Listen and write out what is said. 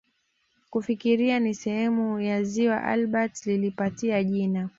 Kufikiria ni sehemu ya ziwa Albert alilipatia jina